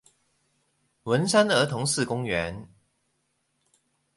文山兒童四公園